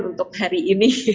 untuk hari ini